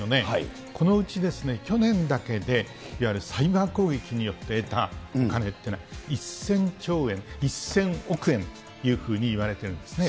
このうちですね、去年だけでいわゆるサイバー攻撃によって得たお金というのは、１０００兆円、１０００億円というふうにいわれているんですね。